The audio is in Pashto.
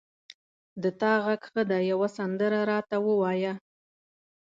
د تا غږ ښه ده یوه سندره را ته ووایه